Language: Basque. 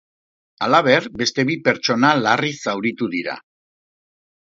Halaber, beste bi pertsona larri zauritu dira.